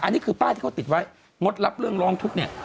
อันนี้คือป้ายที่เขาติดไว้งดรับเรื่องร้องทุกข์เนี่ย